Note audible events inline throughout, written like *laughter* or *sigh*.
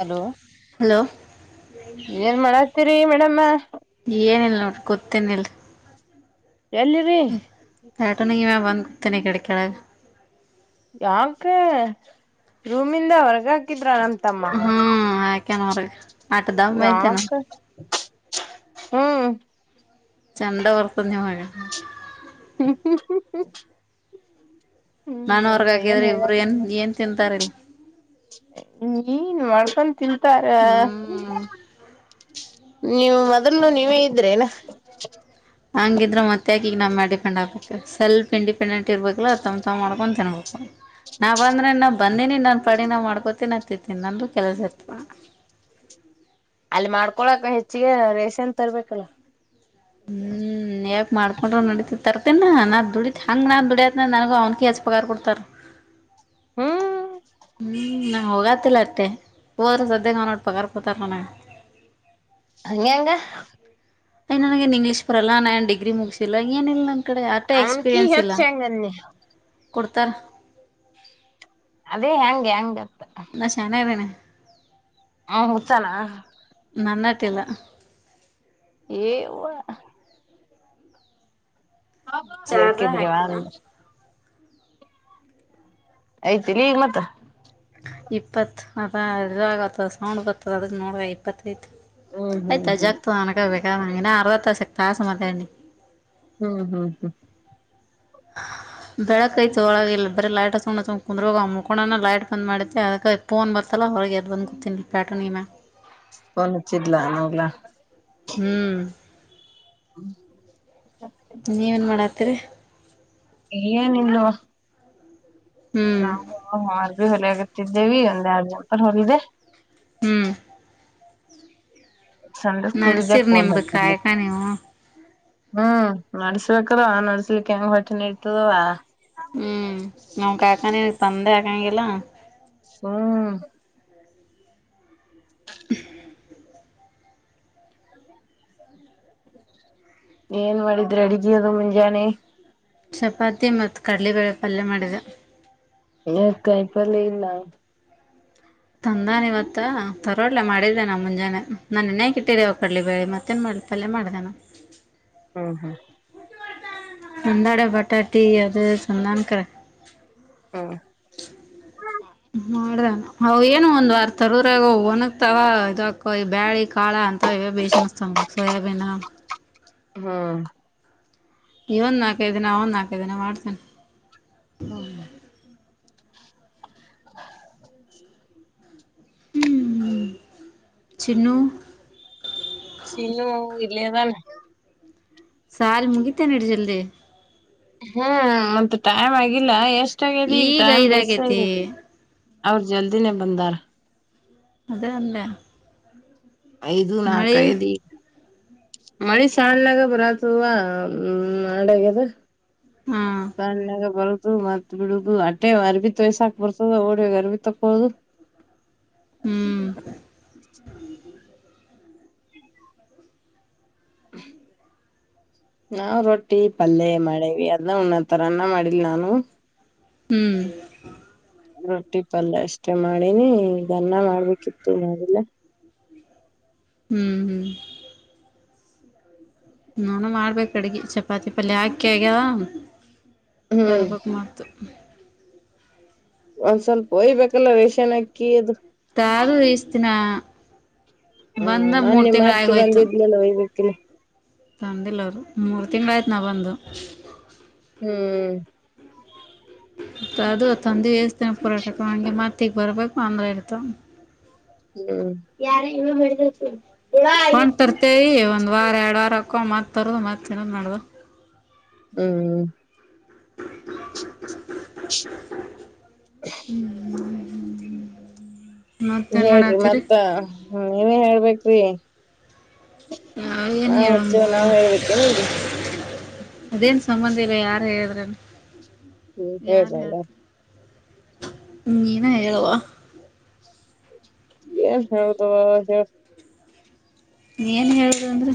Hello. Hello ಏನ್ ಮಾಡತೀರಿ ಮೇಡಮ್ಮ. ಏನಿಲ್ಲ ನೋಡ್ರಿ ಗೊತ್ತೇನಿಲ್ಲ ಎಲ್ಲಿದ್. ತಾತನೆಯ ಬಂದುತೀನಿ ಕೆಡೆ ಕೆಳಗೆ. ಯಾಕ ರೂಮಿಂದ ಹೊರ್ಗ ಹಾಕಿದ್ರ. ತಮ್ಮ ಹ್ಮ್ ಹಾಕ್ಯನ ಹೊರಗ ಆಟ ದಮ್ ಐತೆೇನ ಯಾಕ. ಹ್ಮ್. ಚೆಂಡೊವ್ರು ಪುಣ್ಯಾ ಮಾಡ್ಯಾರ. ಹ. *inaudible* ನಾನ್ ಹೊರಗ ಹಾಕಿದ್ರೆ ಇಬ್ರು ಏನ್ ಏನ್ ತಿಂತಾರಲ್. ನೀನ್ ಮಾಡ್ಕ ತಿಂತಾರ ಹ್ಮ್ ನೀವು ಮೊದ್ಲುನು ನೀವೇ ಇದ್ರೇನಾ ಹಂಗಿದ್ರೆ ಮೆ ಈಗ ನಮ್ಮೇ ಡಿಪೆಂಡ್ ಆಗ್ಬೇಕು ಸೆಲ್ಫ ಇಂಡಿಪೆಂಟ್ ಇರ್ಬೇಕು ಅ ತವು ಮಾಡ್ಕೊಂಡು ತಿನ್ಬೇಕು ನಾವ್ ಅಂದ್ರೆ ನಾ ಬಂದೀಿನಿ ನನ್ ಪ ನ ನಾ್ ಮಾಡ್ಕೊತೀನ ಹತ್ತತೀನಿ ನಂದು ಕೆಲಸ ಇತವ ಅಲ್ಲಿ ಮಾಡ್ಕೊಳಕ ಹೆಚ್ಚಿಗೆ ರೇಷನ್ ತರ್ಬೇಕಲ್ಲ ಹ್ಮ್ ಹ್ಮ ಯಾಕ ಮಾಡಕೊಂಡ್ ನಡಿತತಿ ತರ್ತೀನ ನಾ ದುಡಿತತ್ ಹಂಗ ನನ್ ದುಡಿಯತ್ನ ನನಗ ಅವ್ನಿಗೆ ಹೆಚ್ಚುಪಗಾರ್ ಕೊಡ್ತಾರ *unintelligible* ಹ್ಮ್ ಹ್ಮ್ ನಾ ಹೋಗತಿಲ್ಲ ಅತ್ತೆ ಹೋದ್ರೆ ಸದ್ಯ ಅವ ನೋಡ್ ಪಗಾರ್ ಪತಾರ ನನ ಹಂಗೆಂಗ ಯ್ ನನಗೆನ್ ಇಂಗ್ಲೀಷ್ ಪರಲ್ಲ ನಾನ್ ಡಿಗ್ರಿ ಮುಗಸಿಲ್ಲ ಏನಿಲ್ಲ ಕಡೆ ಆಷ್ಟೇ ಅವನ್ಕಿ ಎಕ್ಸ್ಪೀರಿಯನ್ಸ್ ಇಲ್ಲ ಹೆಚ್ಚ ಹೆಂಗನ್ನಿ ಕೊಡ್ತಾರ ಅದೇ ಹೆಂಗೆ ಹಂಗ ನ ಶಾನ ಇದ್ದೇನೆ ಹ್ಮ ಹಸಲ ನನ್ನ ತಿಲ್ಲ ವ ಬೆರ್ಕಿದ್ರಿವಾ ಐ್ತಿ ಈಗ ಮತ್ತ ಇಪ್ಪತ್ ಅದ ಇದಾಗತದ ಸೌಂಡ್ ಬತ್ತದ ಅದಕ್ ನೋಡುವ ಇಪ್ಪತ್ತು ಹ್ಮ್ ಆಯತ ಹ್ಮ್ ಆಯ್ತ ಹ್ಮ್ ಜಾಗತ ಅನಕ ಬೇಕನ ಅರ್ವ ತಾಸಕ್ಕೆ ತಾಸ ಮತ ಅಿ ಹ್ಮ್ ಹ್ಮ್ ಹ್ಮ್ ಹ ಬೆಳಕ್ ಐತ ಒಳ ಇ ಬರ ಲೈಟ್ ಸುಣ್ಣ ಕುಂದ್ರ ಮುಕೋಣನ ಲೈಟ್ ಬಂದ್ ಮಾಡಿತೆ ಅದ ಫೋನ್ ಬರ್ತ ಅಲ್ಲ ಹೊರಗೆ ಅದುು ಬಂದು್ಕೂತೀನಿ ಪ್ಯಾಟರ್ನ್ ನಿಮ ನ್ಚಡ್ಲ ನವುಲ್ಲ ಹ್ಮ್ ಹ್ಮ್ ನೀವೇನ್ ಮಾಡತ್ರಿ ಏನಿನ್ನುವ ಹ್ಮ್ ನಾವು ಅವರ್ ಭ ಹೊಲ ಆಗತ್ತಿದ್ದೇವಿ ಒಂದ್ ಆರ್ ಜನಪರ ಹೊಲಿದೆ ಹ್ಮ್ ಸಂಡೆ ನಡ್ಸಿರ್ ಸ್ಕೂಲ್್ದಫೋನ್ ನಿಮ್ದು ಹತ ಕಾಯಕ ನೀವು ಹ್ಮ್ ನಡ್ಸ್ಬೇಕದ ನಡ್ಸ್ಲಿ ಹೆಂಗ್ ಹೊಟ್ಟನ ಇರ್ತದವ ಹ್ಮ್ ನಮ ಕಾಕಾನ ತಂದೆ ಆಾಕಂಗಿಲ್ಲ ಹ್ಮ ಹ ಏನ್ ಮಾಡಿದ್ರೆ ಅಡಗಿ ಅದು ಮುಂಜಾನೆ ಚಪಾತಿ ಮತ್ತು ಕಡಲೆಬೇಳೆ ಪಲ್ಯ ಮಾಡಿದೆ ಹ ಕಾಯಪಲ್ಲ ಇಲ್ಲ ತಂದಾನ ಇವತ್ತ ತರೋಡ್ಲ ಮಾಡಿದ್ದೇ ನ ಮುಂಜಾನೆ ನಾನ ಇನ್ನೆಕ್ ಇಟ್ಟಿರ ಅವ ಕಡ್ಲಿ ಬೇಳಿ ಮತ್ತೇನ್ ಮಾಡ ಸ್ವಲ್ಪಲ್ಲೇ ಮಾಡ್ದಣ ಹ್ಮ್ ಹ್ಮ್ ಒಂದಾಡ ಬಟಾಟೀ ಅದು ಸಂದಕರ ಹ್ಮ್ ಮಾಡ್ದಾನ ಅ ಏನು ಒಂದ್ ವಾರ ತರ್ರಾಗ ಒಣಗ್ತಾವ ಇದಕ್ಕ ಬ್ಯಾಳಿ ಕಾಳ ಅಂತ ಬೇಿಸಿ ಅನಿಸತಂಗ ಸೋಯಬೀನ ಹಾ ಈ ಒಂದ್ ನಾಲ್ಕೈದು ದಿನ ಒಂದ್ ನಾಲ್ಕೈ ದಿನ ಮಾಡ್ತೇನೆ ಹ್ಮ *inaudible* ಹ ಹ್ಮ್ ಚಿನು ಚಿನು ಎಲೆ ಎಧಳೆ ಸಲ್ ಮುಗಿತ ನಡಿ ಜಲ್ದಿ ಹ್ಮ್ ಮತ್ತ ಟೈಮ್ ಆಗಿಲ್ಲ ಎಷ್ಟ ಆಗಿದೆ ಈಗ ಟೈಮ್ ಬಸ್ ಆಗಿದೆ ಅವ ಜಲ್ದಿ ನಿ ಬಂದಾರ ಅದನ್ನೆ ಐದು ನಾಲ್ಕುಯದಿ ಮಳಿ ಶಾಲಾಗ ಬ್ರಾತುವ ಹ್ ನಡಾಗದ ಹಾ ಸ ಬ *inaudible* ಮತ್ ಬಿಡುದು ಅಟ್ಟೆ ಅರಬಿ ತ ವಯಸಾಕ್ ಬರ್ತದ ಓಡ್ಯಾಗ ಅರ್ಬಿ ತಕಳುದು ಹ್ಮ್ ಹ ನಾವ್ ರೊಟ್ಟಿ ಪಲ್ೆ ಮಾಡೇವಿ ಅದನ್ನ ಉಣ್ಣತರ ಅನ್ನ ಮಾಡಿಲ್ ನಾನು ಹ್ಮ್ ರೊಟ್ಟಿ ಪಲ್ಯ ಅಷ್ಟೇ ಮಾಡಿನಿ ಅಣ್ಣಾ ಮಾಡ್ಬೇಕಿತ್ತು ನಾವೆಲ್ಲ ಹ ಹ್ಮ್ ಹ್ಮ್ ನಾನು ಮಾಡ್ಬೇಕು ಅಡ್ಗಿ ಚಪಾತಿ ಪಲ್ಲಿಯ ಹಾಕಿ ಆಗ ಹ್ಮ್ ತರಬೇಕಾಗ ಮಾತ ಒಂದ್ ಸ್ವಲ್ಪ ಹೊಯ್ಬೇಕಲ್ಲ ವೇಷನ್ಕ್ಕಿ ಅ ತಾದು ಇಸ್ತಿನ ಹ್ಮ್ ಬಂದ ಮೂರ್ ನನ್ನೆ ತಿಂಗಳ ಆಗಿ ಮತ್ತೆ ಹೋಯ್ತು ಬಂದಿದ್ಲಿಲ್ಲ ವೋಗ್ಬೇಕಕ್ಕೆಲ್ಲಿ ತಂದಿಲ್ಲ ಅವರು ಮೂರ್ ತಿಂಗಗಳು ಆಯ್ತು ನಾವ ಬಂದು ಹ್ಮ್ ಮ ಅದು ತಂದು ವೇಸ್ತೀನ ಪೋರಾಟಕ್ಕೆ ಹಗೆ ಮತ್ತಿಗೆ ಬರ್ಬೇಕು ಅಂದ್ರ ಇರ್ತ ಹ್ಮ ಯಾರ ಇವ ಮಾಡಿದ ಹೊೊಂಡ್ ತರ್ತೆೇವಿ ಒಂದ್ ವಾರ ಎರಡ್ ವಾರ ಹಾಕೊ ಮತ್ ತರ್ದ ಮತ್ ತಿನ್ನದ್ ಮಾಡ್ದ ಹ್ಮ್ *unintelligible* *inaudible* ಹ *inaudible* ಹ *inaudible* ಹೇಳ್ರಿ ಮತ್ತ ಹ್ಮ ನೀನೇ ಹೇಳ್ಬೇಕ್ರಿ ಯಾವ ಏನ್ ನಾವ್ ಹೇಳಮ್ಮ ಹಚ್ಚೇವ್ ನಾವ್ ಹೇಳ್ಬೇಕೇನ ಈಗ ಅದೇನ್ ಸಂಬಂಧ ಇಲ್ಲ ಯಾರು ಹೇಳಿದ್ರನು ಹ್ಮ್ ಸೇಲ್ಲ ಹ್ಮ ಏನ ಹೇಳಳ್ವಾ ಏನ್ ಹದ ಹೇಳ ಏನ್ ಹೇಳ್ದ ಅಂದ್ರೆ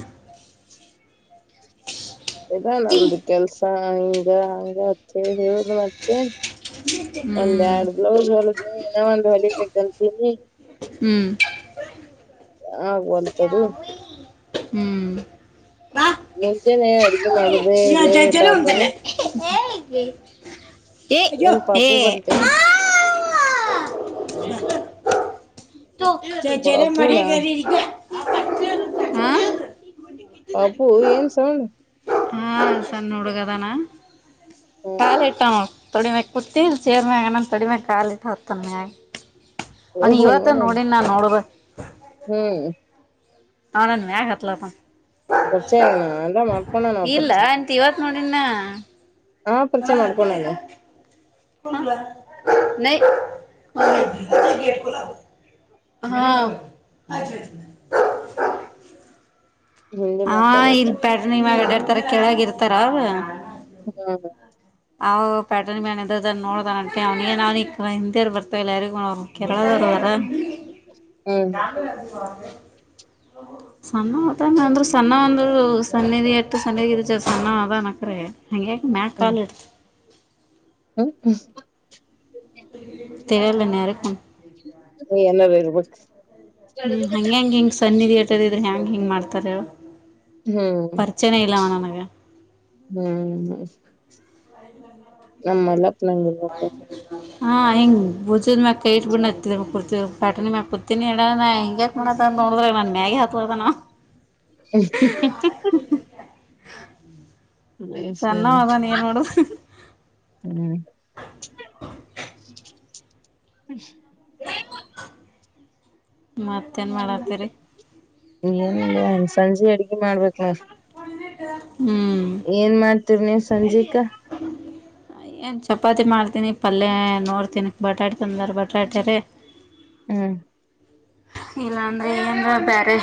ಇದದಾ ನಮ್ದು ಕೆಲ್ಸ ಹಿಂಗ ಹಂಗ ಅ ಹೇಳ ಒಂದ್ ಹ್ಮ್ ಎರಡ್ ಬ್ಲೌಸ್ ಹೊ ಒಂದ ಹೊಲಿ ಕರಿತೀರಿ ಹ್ಮ್ ಹ ಒಲ್ ಹ್ಮ್ ಬಾ ಮುಚ ಅಡಿಗೆ ಮಾಡಿದೆಲ್ಲೇ ಲೆಟಾ ಅಗ್ಥದೇ ಏನ್ ಹ ಪಾಪು ಬಂತೆ ಹ ಹ ತ ಜಲ್ಲ ಮಿ ಪಾಪುನಾ ಕರಿರಿ ಅಪ್ಪು ಏನ್ ಸಣ ಹಾ ಸಣ್ಣ ಹುಡುಗದಾನ ಹ್ಮ್ ಕಾಲ ಹ್ಮ್ ಇಟ್ಟ ನ ತೊಡಿ ನ ಕುತ್ತೀಲ್ಲಿ ಸೇರ್ಮಂಗನ ತಡಿಮೆ ಕಾಲಿಟ್ಟ ಹತ್ತನ ಅವನ ಹೋಗ ಇವತ್ತ ನೋಡಣ ನೋಡನ್ ನಾ ನೋಡಬ ಹ್ಮ್ ಹನಾನ ಮ್ಯಾ ಹತ್ತಲಪ್ಪ ಚರ್ಚೆ ನ ಅಂದ ಇಲ್ಲ ಎಂತ ಇವತ್ ನೋಡಿನ ಹಾ ಪರಿಚಯ ಮಾಡ್ಕೊಣದು *inaudible* ಹಾ *inaudible* ಹಿಂದಿ ಹ ಇಲ್ ಮಾತಾಡೋದಲ್ಲ ಪ್ಯಾಡ್ರ ನಿವ ಎಡೆಡ್ ತರ ಕೇಳಗ ಇರ್ತಾರ ಹ್ಮ್ ಅವ ಪ್ಯಾಟರ್ನ್ ಮನ್ ಇದದ ನೋಡ ಅಂಪಿ ಅವ್ನಿಗೆಏ ಅವ್ನ ಹಿಂದಿಯರ್ ಬರ್ತಾವ ಇಲ್ಲ ಯಾರ ಅವಳ ಹ್ಮ್ ಹ *inaudible* ಸಣ್ಣ ಮತಾನ ಅಂದ್ರರು ಸಣ್ಣ ಒಂದರು ಸಣೆದ ಎಟ್ಟ ಸ್ಣದ ಇರುತ್ತ ಸಣ್ಣ ಅದನಕ್ರೆ ಹಾಗಂಗೆ ಮ್ಯಾಲೆ ಕಾಲಲು ಇಡ್ತ ಹ ತರಲ ನೆರಕ್ಕ ಹ್ಮ್ ಏನಾರ ಇರ್ಬೇಕ್ ಹ್ಮ್ ಹಂಗ್ಯಾಂಗ ಹಿಂಗ್ ಸಣ್ಣಿ ಿಯೇಟರ್ ಇದ್ರೆ ಹೆ್ಯಾಂಗ್ ಹಿಂಗ್ ಮಾಡ್ತಾರೆ ಹ್ಮ್ ಪ್ರಚನೆ ಇಲ್ಲಾಮ ನನಗೆ ಹ್ಮ್ ನಮ್ಮಲ್ಲಪ್ಪ ನಂಗ ಹಾ ಹಿಂಗ ಬಜ್ ಮ್ಯ ಕೈ ಇಟ್ ಬ ಕುರ್ತಿ ಪ್ಯಾಟನ್ ಮ ಕುತೀಿನಿಡ ಹಂಗ ನೋಡ್ರ ನನ್ ಮ್ಯಾಗಿ ಹಾತ ಅದಾನ ಎ ಸನ್ನವದಾನ ಏನ್ ನೋಡುದು ಹ್ಮ ಮತ್ತ ಏನಲ್ವಾ ಹೆನ್ಸಜೆ ಅಡ್ಗೆಿ ಮಾಡ್ಬೇಕಕ್ ಮ ಒಣ ಇಟ್ಟದ ಏನ್ ಮಾಡ್ತಿವ ನೀವ್ ಸಂಜಿಕಾ ಏನು ಚಪಾತಿ ಮಾಡ್ತೀನಿ ಪಲ್ಯ ನೋಡ್ತೀನಿ ಬಟಾಟೆ ತಂದರೆ ಬಟಾಟೆ ರ ಹ್ಮ್ ಇಲ್ಲ ಅಂದ್ರೆ ಏನ್ ಬೇರೆ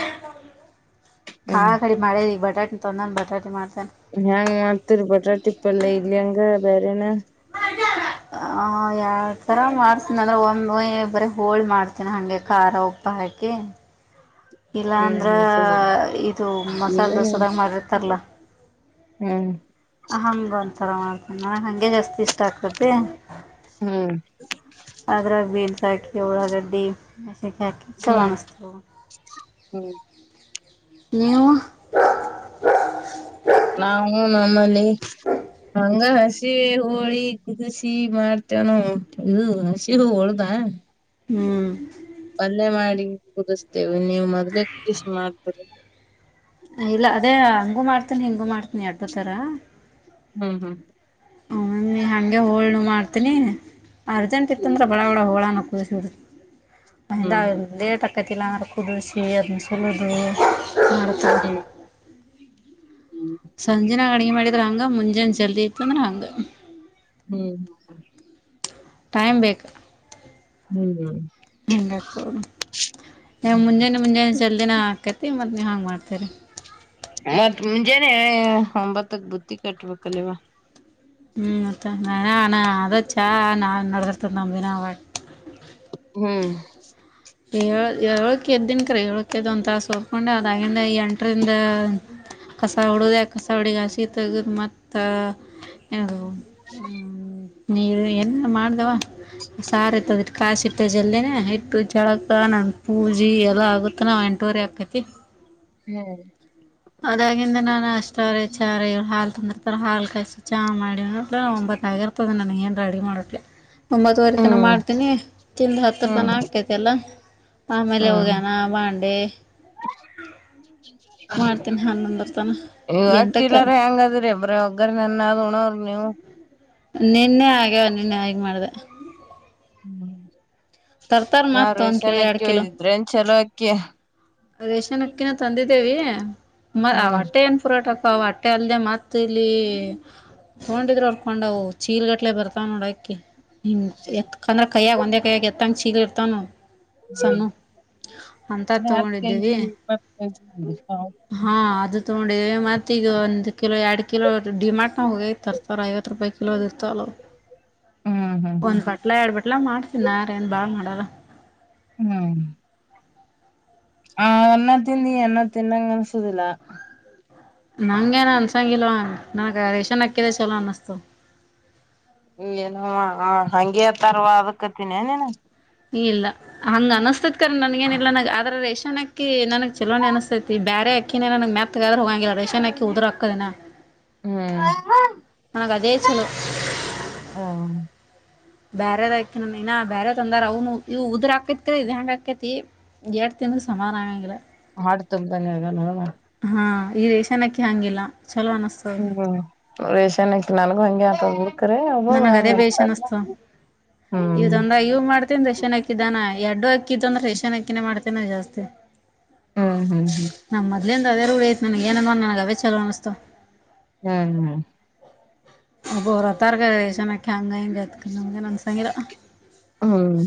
ಕಾಳ ಹ್ಮ್ ಕಡಿ ಮಾಡೇ ಬಟಾಟ ತ ನಂದು ಬಟಾಟಿ ಮಾಡ್ತವಿ ಹೆ್ಯಾಂಗ್ ಮಾಡ್ತಿರ್ ಬಟಾ ಟಿಪ್ಪಲ್ಲ ಇಲ್ಲಿ ಹಂಗ ಬೇರೆೇನ *inaudible* ಯಾವ ಥರ ಮಾಡ್ತೀನಿ ಅಂದ್ರೆ ಒಂದು ಬರೀ ಹೋಳಿ ಮಾಡ್ತೀನಿ ಹಾಗೆ ಖಾರ ಉಪ್ಪ ಹಾಕಿ ಹ ಇಲ್ಲ ಹ್ಮ್ ಅಂದ್ರೆ ಮೆಸೇಜ್ ಇದು ಮಸಾಲೆ ಹ್ಮ್ ದೋಸೆದಾಗ ಮಾಡಿರ್ತಾರಲ್ಲ ಹ್ಮ್ ಹಂಗ ಒಥರ ಮಾಡ್ತನೆ ನನಗೆ ಹಗೆ ಜಾಸ್ತಿ ಇಷ್ಟ ಆಗ್ತತಿ ಹ್ಮ್ ಅದ್ರಾಗ ಬೀಲ್ಸ್ ಹಾಕಿ ಒಳಗಡ್ಡಿ ಗಕ ಚಲ ಮಷ್ಟತ ಹ್ಮ್ ನೀ ನಾವು ನಮ್ಮಲ್ಲಿ ಹಂಗ ಹಸಿ ಹೋಳಿ ಕುದಸಿ ಮಾಡ್ತೇವ ನ ಇ ಹಸಿ ಹೊೋಡ್ದ ಹ್ಮ್ ಪಲ್ಲೆ ಮಾಡಿ ಕುದಿಸ್ತೇವಿ ನೀವು್ ಮೊದ್ಲೆೇ ಕುದಷಿ ಮಾಡ್ತ್ರ ಇಲ್ಲ ಅದೇ ಹಂಗೂ ಮಾಡ್ತನಿ ಹಿಂಗೂ ಮಾಡ್ತನಿ ಅಡ್ಡು ತರ ಹ್ಮ್ ಹ್ಮ್ ಹ್ಮೂ ಹಂಗೆ ಹೋಳ್ನು ಮಾಡ್ತೀನಿ ಅರ್ಜೆಂಟ್ ಹ್ಮ್ ಇತ್ತಂದ್ರ ಬಳ ಹೋಳ ಏಸ್ ವಡಿ ಮಹಿಂದ ಹ್ಮ್ ಲೆಟ್ ಕತಿಲ್ಲಂಗರ ಕುುದುಸಿ ಅದನ್ನ ಸಲುದು ನತ ಹ್ಮ್ ಹ್ಮ್ ಸಂಜೆ ನಾ ಅಡುಗೆ ಮಾಡಿದ್ರ ಹಂಗ ಮುಂಜೆ ಜಲ್ದಿ ಇತ್ತು ಅಂದ್ರ ಹಂಗ. ಬೇಮನ್ *unintelligible* ಟೈಮ್ ಬೇಕು ಹ್ಮ್ ಹೆಂಗಾತು ಮುಂಜಾನೆ ಮುಂಜಾನೆ ಜಲ್ದಿನ ಹಾಕ ತಿಂಗ್ ಮದುವೆ ಹಂಗ್ ಮಾಡ್ತಾರೆ. ಅಣ ಮುಂಜಾನೆ ಒಂಬತ್ತಕ್ ಬುತ್ತಿ ಕಟ್ಬೇಕಲ್ಲವಾ, ಹ್ಮ್ ಮತ್ತೆ ನನನ ಅದು ಚ ನಾ ನಡೆಸ್ತಿದ್ದಂಗೆ ನಾವು. ಹ್ಮ್ ಏಳ್ ಏಳಕ್ಕೆ ಎದ್ದಿನ್ಕ್ರೀ ಏಳಕ್ಕೆದು ಒಂದು ತಾಸು ಉಣ್ಣಾಗ ನಾನು ಎಂಟರಿಂದ. ಕಸ ಹೊಡೆಯ ಕಸ ಹೊಡೆಯ ಹಸಿ ತೆಗೆದ್ ಮತ್ತೆ ಏನ್ರೀ. ನೀರು ಎಲ್ಲ ಮಾಡ್ದವ ಸಾರು ತೆಗೆದು ಕಾಸಿ ಫ್ರಿಡ್ಜ್ ನಲ್ಲೆ ಹಿಟ್ಟುು. ಕೆಳಕ ನನ್ ಪೂಜೆ ಎಲ್ಲ ಆಗಬೇಕೇನಾ ಎಂಟೂವರಿ ಎಂಟೂವರೆ ಆಗ್ತೈತಿ. ಹ್ಮ್ ಅದಾಗಿಂದ ನಾನ್ ಅಷ್ಟವ್ರೆ ಚಾರೆ ಹಾಲು ತಂದಿರುತ್ತಾರೆ ಹಾಲ್ ಕಾಯಿಸಿ ಚಾ ಮಾಡಿ ಆಗಿರ್ತದೆ ನನಗೆ ಏನು ರೆಡಿ ಮಾಡೋಕ್ಕೆ. ಒಂಬತ್ತುವರೆ ತನ ಹ್ಮ್ ಮಾಡ್ತೀನಿ ಚಿಂದ್ ಹತ್ತುತನ ಆಕೈತೆ ಎಲ್ಲ. ಹ್ಮ ಆಮೇಲೆ ಒಗ್ಯಾನ ಬಾಂಡೆ ಮಾಡ್ತೀನಿ ಹನ್ನೊಂದರ ತನಕ ಎಂಟಕ್ಕೆ ಇವಕಿಲ್ಲಾರ ಹೆಂಗದ್ರಿ ಬ್ರೋ ಒಗ್ಗರು ಮುನ್ನ ಋಣವು ನೀವು. ನಿನ್ನೆ ಆಗ್ಯಾವ ನಿನ್ನಾಗಿ ಮಾಡ್ದೆ. ಹ್ಮ್ ಯಾ ಮತ್ತು ಒಂದು ಕಿಲೋ ರೇಷನ್ ಎರಡು ಅಕ್ಕಿ ಕಿಲೋ ಒಳಗಿದ್ರಾ ಚಲೋಕಿ. ರೇಷನ್ ಅಕ್ಕಿನೂ ತಂದಿದ್ದೀವಿ ಹ್ಮ್ ಹೊಟ್ಟೆ ಏನ್ ಪುರಾಟ. ಪ ಹೊಟ್ಟೆ ಅಲ್ದೆ ಮತ್ ಇಲ್ಲಿ. ತಗೊಂಡಿದ್ರು ಅರ್ಕೊಂಡವು ಚೀಲ್ಗಟ್ಲೆ ಬರ್ತಾವ ನೋಡು ಅಕ್ಕಿ. ಹಿಂಗ್ ಎತ್ಕಂದ್ರ ಕೈಯ್ಯಾಗ ಒಂದೇ ಕೈಯ್ಯಾಗ ಎತ್ತಂಗ್ ಚೀಲ್ ಇರ್ತಾವು ಸಣ್ಣವು. ಅಂತ ಅ ಹತ್ತು ತಗೊಂಡಿದ್ದೀವಿ ಕೆಜಿ ಇಪ್ಪತ್ತು ಕೆಜಿ ಹಾ ಅದು, ತಗೊಂಡಿದ್ದೀವಿ ಮತ್ತಿ ಈಗ ಒಂದು ಕಿಲೋ ಎರಡು ಕಿಲೋ ಡಿಮಾಟ್ನ ಹೋಗಿ ತರ್ತಾರೆ ಐವತ್ತು ರೂಪಾಯಿ ಕಿಲೋದು ಇರ್ತವಲ್ಲ. *inaudible* ಹ್ಮ್ ಒಂದ್ ಬಟ್ಲಾ ಎರಡ್ ಬಟ್ಲಾ ಮಾಡ್ತಿನಾರೇಏನ್ ಬಾಳ್ ಮಾಡರ. ಹ್ಮ್ ಹ ಅನ್ನ ತಿನ್ನು ಅನ್ನ ತಿನ್ನಂಗ್ ಅನ್ಸೊದಿಲ್ಲ. ನಂಗೆನ ಅನ್ಸಂಗಿಲ್ಲ ನನಗೆ ರೇಷನ್ ಅಕ್ಕಿನೆ ಚಲೋ ಅನಿಸುತ್ತದೆ. ಏನು ಹ ಹಂಗೆ ಹೇಳ್ತಾರಲ್ಲ ಅದಕ್ಕೂ ಹತ್ತೀನೆನು, ಇಲ್ಲ ಹಂಗ್ ಅನಿಸ್ತತ್ ನನ್ಗೇನಿಲ್ಲ ಆದ್ರೆ ರೇಷನ್ಅಕ್ಕಿ ನನ್ ಚಲೋನು ಅನಸ್ತೈತಿ ಬ್ಯಾರೆ ಅಕ್ಕಿನೇ ನನಗೆ ಮತ್ ಹೋಗಂಗಿಲ್ಲ ರೇಷನ್ ಅಕ್ಕಿ ಉದುರಾಗ್ತಾವು ನೋಡು. ಹ್ಮ್ ಅವ್ವ ನಿನಗೆ ಅದೇ ಚಲೋ. ಹ್ಮ್ ಬೇರೆದಾಕಿ ಇನಾ ಬೇರೆ ಬಂದಾರ ಅವನು ಇವು ಉದ್ರ ಆಗ್ತೈತಿ ಹೆಂಗ್ ಆಗ್ತೈತಿ ಜಾಸ್ತಿ. ಹೆಣ್ಣು ಸಮನಾಗಂಗಿಲ್ಲ. ಹಾಡು ತುಂಬಾನೇ ಹಾ ಈ ರೇಷನ್ ಅಕ್ಕಿ ಹಂಗಿಲ್ಲ ಚಲೋ ಅನಿಸ್ತಾ ಇದೆ. ಹ್ಮ್ ರೇಷನ್ ಅಕ್ಕಿ ಒಳಗೆಲ್ಲ ತೊಗರಿ. ನನ್ಗ ಅದೇ ಬೇಶು ಅನಿಸ್ತು ಹ್ಮ್ ಇದರಿಂದ ಏನು ಮಾಡ್ತಿನ್ನಿ ರೇಷನ್ ಅಕ್ಕಿ ಬ್ಯಾನ್ ಎಡ್ಡೆ ಹಾಕ್ಕಿದ್ದನ್ನ ರೇಷನ್ ಅಕ್ಕಿನೇ ಮಾಡುಬೇಕನೆ ಜಾಸ್ತಿ ಹ್ಮ್ ಹ್ಮ್ ಹ್ಮ್ ಏನು ರವೆ ರವೆ ಐತೆ ನಿನಗೆ ಏನಾನ ರವೆ ಚಲೋ ಅನಿಸುತ್ತ್ ನಾನೂ ಒಬ್ಬರತಾರ್ಗ ಜನಕ್ಕೆ ಹಂಗ ಹಂಗಗೆತ್ ನ ನನ್ಸಂಗರ ಹ್ಮ್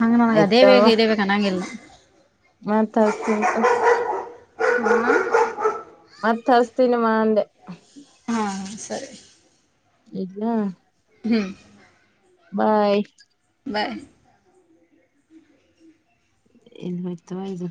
ಹಂಗ ನನಗೆ ಅದೇ ಬೇಗ ಇದೆೇ ಬೇಕನ್ನಂಗಲ್ಲ ಹಾ ತಸ್ತೀ ಉಂತು ಹ್ಮ ಮತ್ ಹಸ್ತೀಿನಿ ಮಾ ಅಂದೆ ಹಾ ಸರಿ ಇಲ್ಲಾ ಹ್ಮ್ ಬಾಯ್ ಬಾಯ್ ಇಲ್ಲಿ ವರ್ತವ ಇದು